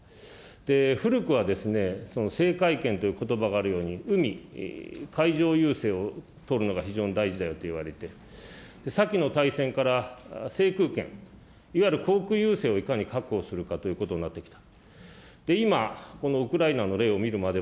古くは制海権ということばがあるように、海、海上ゆうせいを取るのが非常に大事であるといわれて、先の大戦から制空権、いわゆる航空ゆうせいをいかに確保するかということになってきた。